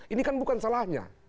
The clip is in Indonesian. ini kan bukan salahnya